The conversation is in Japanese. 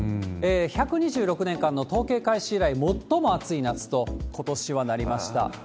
１２６年間の統計開始以来、最も暑い夏と、ことしはなりました。